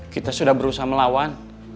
kita sudah berusaha melawan